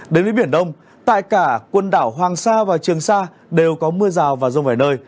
đến với biển đông tại cả quần đảo hoàng sa và trường sa đều có mưa rào và rông vài nơi